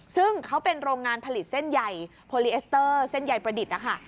ซึ่งเขาเป็นโรงงานผลิตเส้นใหญ่โพลีเอสเตอร์เส้นใหญ่ประดิษฐ์นะคะ